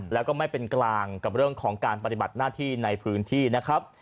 แล้วก็ไม่เป็นกลางกับเรื่องของการปฏิบัติหน้าที่ในพื้นที่นะครับ